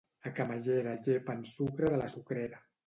A Camallera llepen sucre de la sucrera.